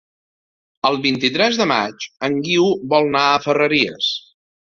El vint-i-tres de maig en Guiu vol anar a Ferreries.